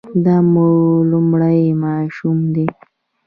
دا مو لومړی ماشوم دی؟